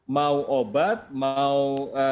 mau obat mau